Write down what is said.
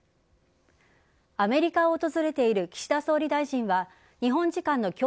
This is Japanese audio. アメリカを訪れている岸田総理大臣は日本時間の今日